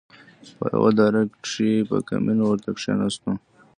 په يوه دره کښې په کمين ورته کښېناستو.